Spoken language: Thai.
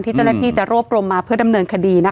เจ้าหน้าที่จะรวบรวมมาเพื่อดำเนินคดีนะคะ